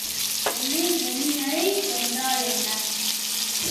ஒளியனியல் என்றால் என்ன?